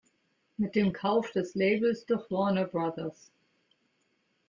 Mit dem Kauf des Labels durch Warner Bros.